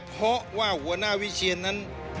เพราะว่าหัวหน้าวิเชียนนั้น